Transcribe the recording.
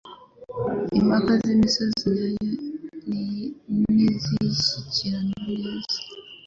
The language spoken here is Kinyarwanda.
Impaka z'imisozi yanyu Nizishyikirana neza,